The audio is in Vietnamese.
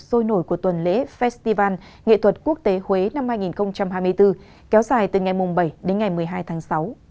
sôi nổi của tuần lễ festival nghệ thuật quốc tế huế năm hai nghìn hai mươi bốn kéo dài từ ngày bảy đến ngày một mươi hai tháng sáu